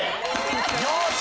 よし！